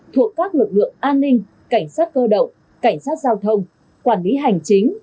thuộc các lực lượng an ninh cảnh sát cơ động cảnh sát giao thông quản lý hành chính